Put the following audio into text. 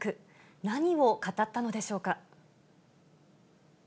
何を語ったのでしょうか。